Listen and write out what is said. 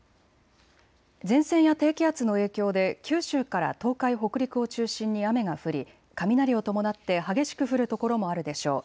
前線や低気圧の影響で九州から東海、北陸を中心に雨が降り雷を伴って激しく降る所もあるでしょう。